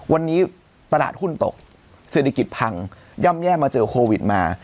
วันนี้ตลาดหุ้นตกเศรษฐกิจพังย่ำแย่มาเจอโควิดมา